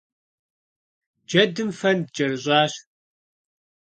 Джэдым фэнд кӀэрыщӀащ.